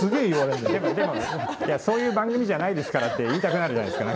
「でもそういう番組じゃないですから」って言いたくなるじゃないですか。